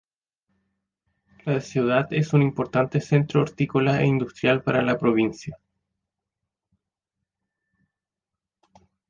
La ciudad es un importante centro hortícola e industrial para la provincia.